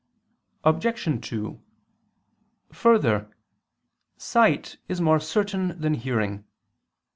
Obj. 2: Further, sight is more certain than hearing.